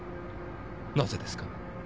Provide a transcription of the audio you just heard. なぜですか？